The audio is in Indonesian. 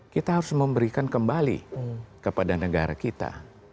kita harus memberikan kembali kepada negara kita